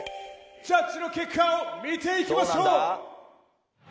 ジャッジの結果を見ていきましょう！